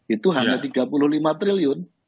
itu hanya tiga puluh lima triliun